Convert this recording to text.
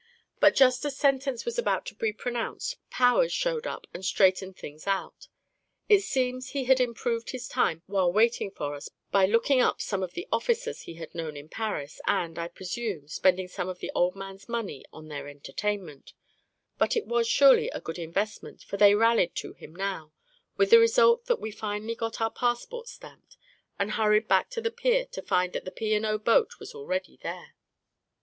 But just as sentence was about to be pronounced, Powers showed up and straightened things out. It seems he had improved his time while waiting for us by looking up some of the offi cers he had known in Paris, and, I presume, spend ing some of the old man's money on their entertain ment; but it was surely a good investment, for they rallied to him now, with the result that we finally got our passports stamped, and hurried back to the pier to find that the P. & O. boat was already there.